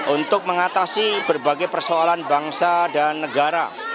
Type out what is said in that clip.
untuk mengatasi berbagai persoalan bangsa dan negara